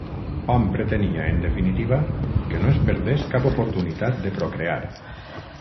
Hom pretenia, en definitiva, que no es perdés cap oportunitat de procrear.